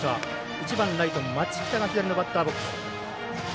１番、ライト、町北がバッターボックス。